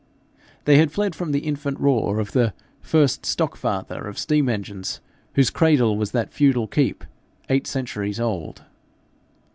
They had fled from the infant roar of the 'first stock father' of steam engines, whose cradle was that feudal keep, eight centuries old.